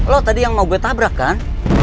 lo tadi yang mau gue tabrak kan